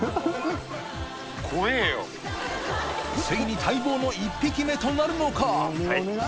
磴弔い待望の１匹目となるのか？